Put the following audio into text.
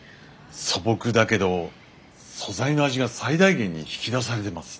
素朴だけど素材の味が最大限に引き出されてます。